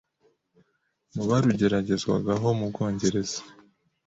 mu barugeragerezwagaho mu Bwongereza